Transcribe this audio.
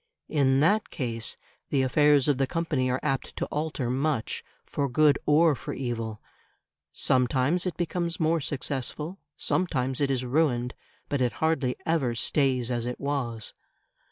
In that case the affairs of the company are apt to alter much, for good or for evil; sometimes it becomes more successful, sometimes it is ruined, but it hardly ever stays as it was.